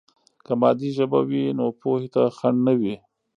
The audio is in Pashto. که مادي ژبه وي، نو پوهې ته خنډ نه وي.